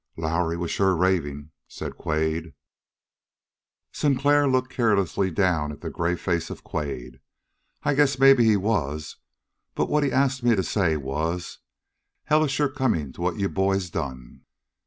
"Lowrie was sure raving," said Quade. Sinclair looked carelessly down at the gray face of Quade. "I guess maybe he was, but what he asked me to say was: 'Hell is sure coming to what you boys done.'"